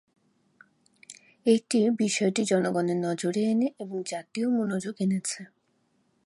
এটি বিষয়টি জনগণের নজরে এনে এবং জাতীয় মনোযোগ এনেছে।